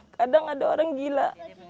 kadang ada orang gila